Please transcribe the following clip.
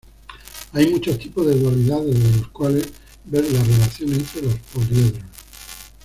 Hay muchos tipos de dualidad desde los cuales ver la relación entre los poliedros.